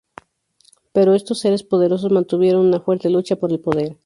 Pero, estos seres poderosos mantuvieron una fuerte lucha por el poder.